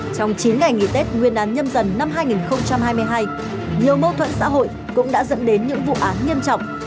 trong chín ngày nghỉ tết nguyên đán nhâm dần năm hai nghìn hai mươi hai nhiều mâu thuẫn xã hội cũng đã dẫn đến những vụ án nghiêm trọng